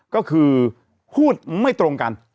ก็คือพูดไม่ตรงกัน